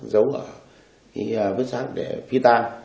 giấu ở vứt sát để phi tan